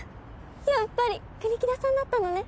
やっぱり国木田さんだったのね！